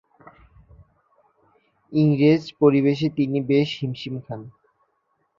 ইংরেজ পরিবেশে তিনি বেশ হিমশিম খান।